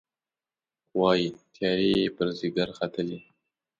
وايي، تیارې یې پر ځيګر ختلي